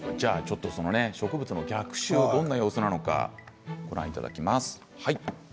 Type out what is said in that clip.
植物の逆襲どんな様子なのかご覧いただきます。